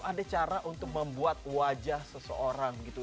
ada cara untuk membuat wajah seseorang gitu